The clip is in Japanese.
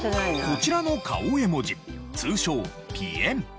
こちらの顔絵文字通称ぴえん。